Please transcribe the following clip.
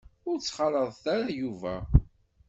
Ur ttxalaḍ ara Yuba.